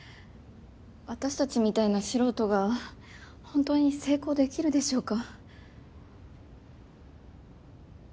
私たちみたいな素人が本当に成功できるでしょうか？